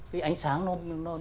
cái ánh sáng nó